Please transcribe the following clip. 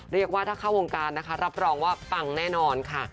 เรียกว่าถ้าเข้าวงการนะคะรับรองว่าปังแน่นอนค่ะ